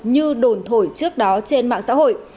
như đồn thổi trước đó trên mạng xã hội